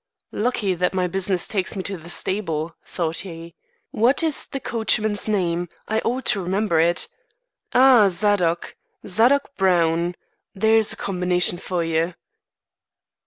"Lucky that my business takes me to the stable," thought he. "What is the coachman's name? I ought to remember it. Ah Zadok! Zadok Brown. There's a combination for you!"